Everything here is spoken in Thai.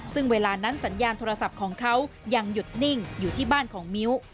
ซึ่งเวลานั้นสัญญาณโทรศัพท์ของเขายังหยุดนิ่งอยู่ที่บ้านของมิ้ว